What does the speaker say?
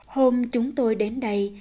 hôm chúng tôi đến đây